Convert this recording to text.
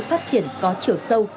phát triển có chiều sâu